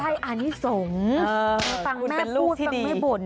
ใช่อันนี้สงฟังแม่พูดฟังไม่บ่น